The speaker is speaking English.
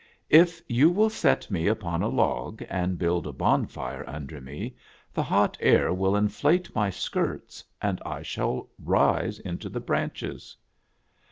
" If you will set me upon a log and build a bonfire under me, the hot air will inflate my skirts, and I shall rise into the branches."